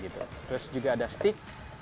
terus juga ada stick